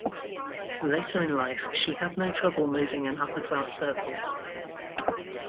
Later in life, she had no trouble moving in upper class circles.